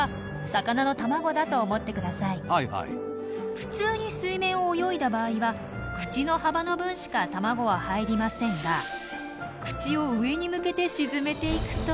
普通に水面を泳いだ場合は口の幅の分しか卵は入りませんが口を上に向けて沈めていくと。